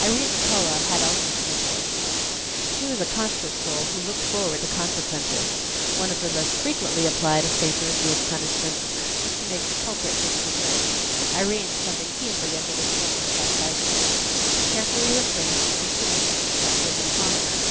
Irene McCullough had also to be forced. She was a cautious soul who looked forward to consequences. One of the most frequently applied of St. Ursula's punishments was to make the culprit miss desserts. Irene suffered keenly under this form of chastisement; and she carefully refrained from misdemeanors which might bring it upon her.